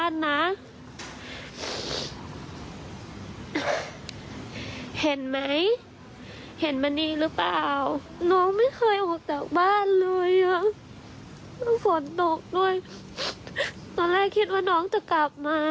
ตอนแรกคิดว่าน้องจะกลับมา